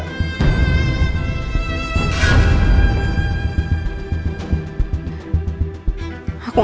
tidak ada barang